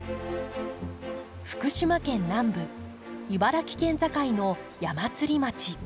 福島県南部茨城県境の矢祭町。